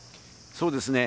そうですね。